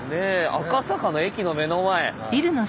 赤坂の駅の目の前。